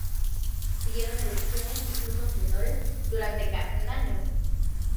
Siguieron erupciones y flujos menores durante casi un año.